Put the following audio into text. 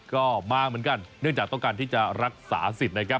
ก็มาเหมือนกันเนื่องจากต้องการที่จะรักษาสิทธิ์นะครับ